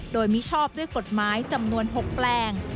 โดยมิชอบด้วยกฎหมายจำนวน๖แปลง